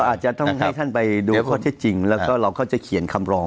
อาจจะต้องให้ท่านไปดูข้อเท็จจริงแล้วก็เราก็จะเขียนคำรอง